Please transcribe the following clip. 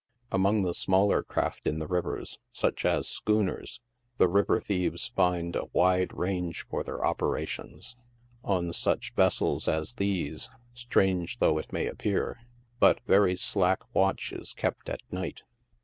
Among the smaller craft in the rivers, such as schooners, the river thieves find a wide range for their operations. On such vessels as these, strange though it may appear, but very slack watch is kept at night.